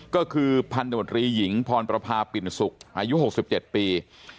ก็คือพันธ์โดรีหญิงพรพพาปินศุกร์อายุ๖๗ปี